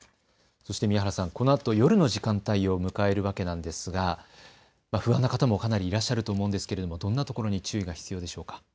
宮原さん、このあと夜の時間帯を迎えるわけなんですが不安な方もかなりいらっしゃると思うんですが、どんなところに注意が必要ですか。